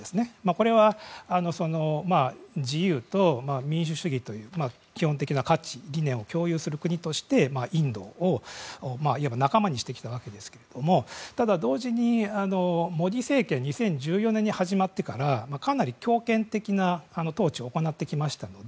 これは自由と民主主義という基本的な価値、理念を共有する国としてインドを仲間にしてきたわけですけれどもただ、同時にモディ政権が２０１４年に始まってからかなり強権的な統治を行ってきましたので